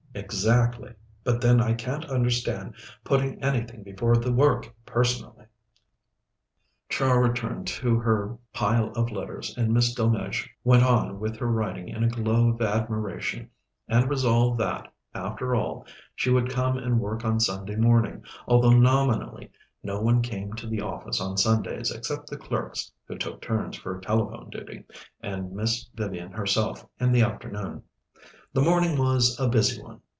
"Exactly. But then I can't understand putting anything before the work, personally." Char returned to her pile of letters and Miss Delmege went on with her writing in a glow of admiration, and resolved that, after all, she would come and work on Sunday morning, although nominally no one came to the office on Sundays except the clerks who took turns for telephone duty, and Miss Vivian herself in the afternoon. The morning was a busy one.